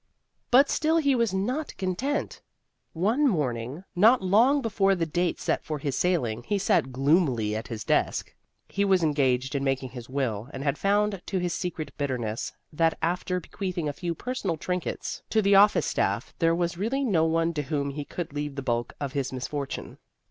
But still he was not content. One morning, not long before the date set for his sailing, he sat gloomily at his desk. He was engaged in making his will, and had found to his secret bitterness that after bequeathing a few personal trinkets to the office staff there was really no one to whom he could leave the bulk of his misfortune.